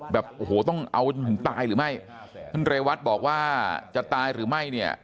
แบบโหต้องเอาถึงตายหรือไม่เรียวัฒน์บอกว่าจะตายหรือไม่เนี่ย